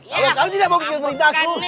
kalo kalian tidak mau ikut perintahku